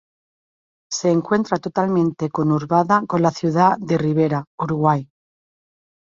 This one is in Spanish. Se encuentra totalmente conurbada con la ciudad de Rivera, Uruguay.